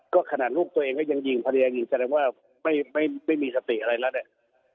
ก็ขนาดลูกตัวเองก็ยังยิงภรรยาอยู่แสดงว่าไม่มีสติอะไรแล้วเนี่ย